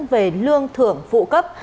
về lương thưởng phụ cấp